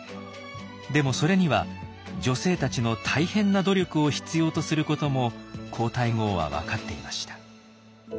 でもそれには女性たちの大変な努力を必要とすることも皇太后は分かっていました。